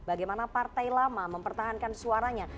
bagaimana partai lama mempertahankan suaranya